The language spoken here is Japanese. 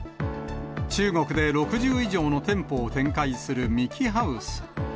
中国で６０以上の店舗を展開するミキハウス。